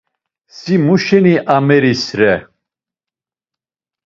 Si mu şeni ameris re?